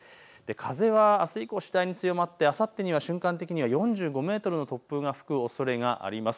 風はあす以降、次第に強まってあさってには瞬間的に４５メートルの突風が吹くおそれがあります。